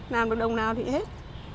làm được đồng nào thì hết